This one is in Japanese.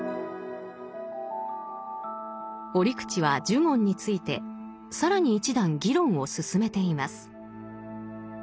折口は呪言について更に一段議論を進めています。